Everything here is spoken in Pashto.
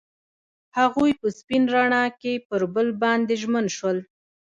هغوی په سپین رڼا کې پر بل باندې ژمن شول.